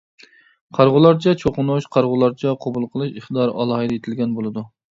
قارىغۇلارچە چوقۇنۇش، قارىغۇلارچە قوبۇل قىلىش ئىقتىدارى ئالاھىدە يېتىلگەن بولىدۇ.